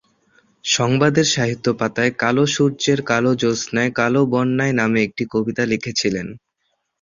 সংবাদের সাহিত্যপাতায় 'কালো সূর্যের কালো জ্যোৎসায় কালো বন্যায়' নামে একটি কবিতা লিখেছিলেন।